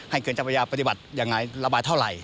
ให้เกินจังหวัยาปฏิบัติอย่างไรระบายเท่าไหร่